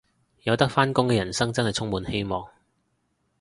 有得返工嘅人生真係充滿希望